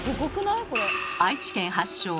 愛知県発祥。